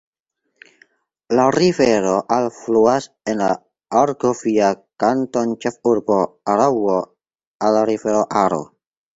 La rivero alfluas en la argovia kantonĉefurbo Araŭo al la rivero Aro.